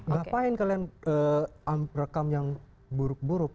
ngapain kalian rekam yang buruk buruk